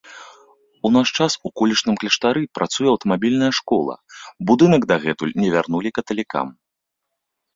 У наш час у колішнім кляштары працуе аўтамабільная школа, будынак дагэтуль не вярнулі каталікам.